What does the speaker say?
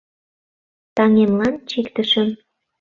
Таҥемлан чиктышым